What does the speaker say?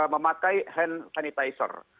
memakai hand sanitizer